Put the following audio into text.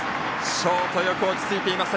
ショート、落ち着いていました。